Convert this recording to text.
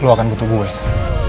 lo akan butuh gue elsa